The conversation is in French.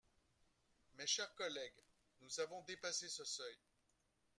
Mes chers collègues, nous avons dépassé ce seuil.